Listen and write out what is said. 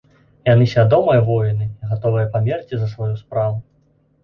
Яны свядомыя воіны, гатовыя памерці за сваю справу.